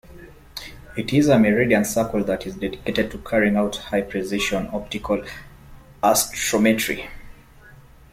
It is a meridian circle that is dedicated to carrying out high-precision optical astrometry.